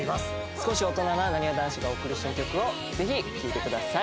少し大人ななにわ男子が送る新曲をぜひ聴いてください。